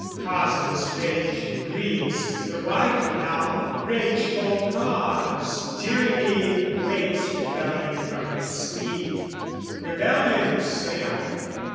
Causeless rage breeds, i' the wife now, rageful cause, Tyranny wakes rebellion from its sleep. Rebellion, say I?